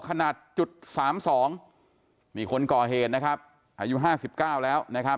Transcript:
ขนาด๓๒นิวนเมืองมีคนก่อเหนนะครับอายุ๕๙แล้วนะครับ